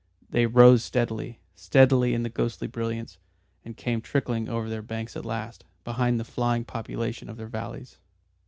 They rose steadily, steadily in the ghostly brilliance, and came trickling over their banks at last, behind the flying population of their valleys.